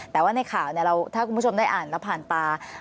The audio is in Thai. แต่ว่าในข่าวถ้าคุณผู้ชมได้อ่านแล้วผ่านตา